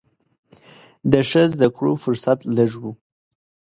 د ښه زده کړو فرصت لږ و.